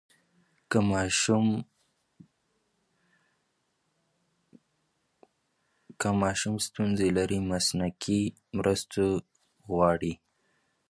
که ماشوم ستونزه لري، مسلکي مرسته وغواړئ.